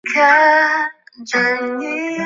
其妻笙田弘子。